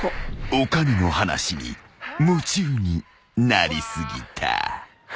［お金の話に夢中になり過ぎた］